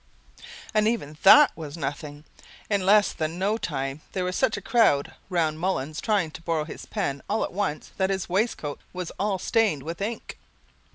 And even that was nothing! In less than no time there was such a crowd round Mullins trying to borrow his pen all at once that his waistcoat was all stained with ink.